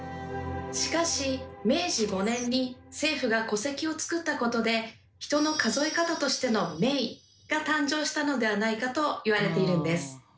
しかし明治５年に政府が戸籍を作ったことで人の数え方としての「名」が誕生したのではないかと言われているんです。